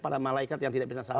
pada malaikat yang tidak bisa salah